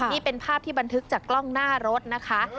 นี่เป็นภาพที่บันทึกจากกล้องหน้ารถนะคะ